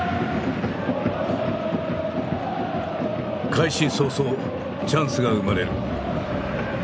開始早々チャンスが生まれる。